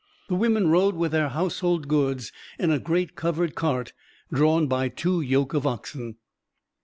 The women rode with their household goods in a great covered cart drawn by two yoke of oxen.